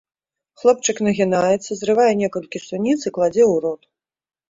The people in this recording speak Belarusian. Хлопчык нагінаецца, зрывае некалькі суніц і кладзе ў рот.